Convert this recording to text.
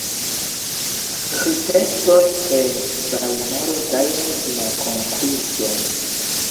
Arĥitektoj el Vajmaro gajnis la konkurson.